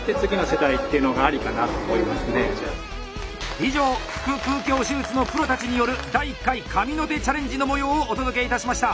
以上腹腔鏡手術のプロたちによる第１回神の手チャレンジの模様をお届けいたしました。